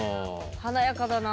華やかだなあ。